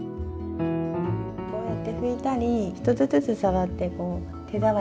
こうやって拭いたり１つずつ触ってこう手触りとかね。